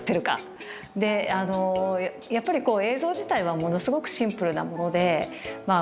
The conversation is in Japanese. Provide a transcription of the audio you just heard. であのやっぱり映像自体はものすごくシンプルなものでまあ